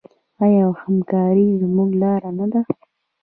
آیا او همکاري زموږ لاره نه ده؟